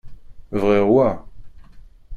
Bɣiɣ wa.